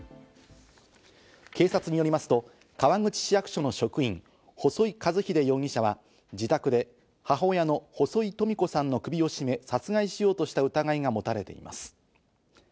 警察によりますと川口市役所の職員・細井一英容疑者は、自宅で母親の細井登美子さんの首を絞め、殺害しようとした疑いがもたれています。